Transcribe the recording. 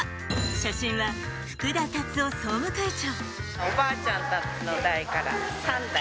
写真は福田達夫総務会長。